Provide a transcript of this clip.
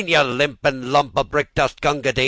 You limping lump o' brick dust, Gunga Din!